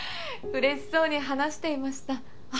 嬉しそうに話していました。